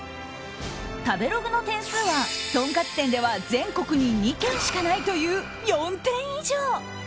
食べログの点数はとんかつ店では全国に２軒しかないという４点以上。